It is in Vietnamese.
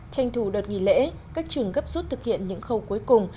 tranh thủ đợt nghỉ lễ các trường gấp rút thực hiện những khâu cuối cùng